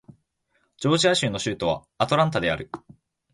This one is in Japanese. ジョージア州の州都はアトランタである